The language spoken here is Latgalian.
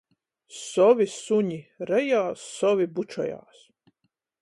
Sovi suni rejās, sovi bučojās.